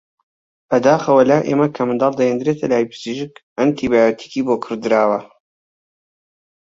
بەداخەوە لای ئێمە کە منداڵ دەهێنرێتە لای پزیشک ئەنتی بایۆتیکی بۆ کڕدراوە